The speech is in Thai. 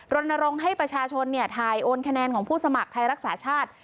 รณรงค์ให้ประชาชนถ่ายโอนคะแนนของผู้สมัครไทยรักษาชาติ